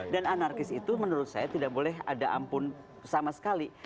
dan anarkis itu menurut saya tidak boleh ada ampun sama sekali